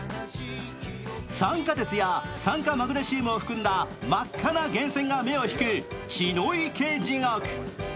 酸化鉄や酸化マグネシウムを含んだ真っ赤な源泉が目を引く血の池地獄。